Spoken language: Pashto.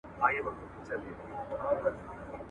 ایا موټر چلونکی به نن ماښام وختي کور ته لاړ شي؟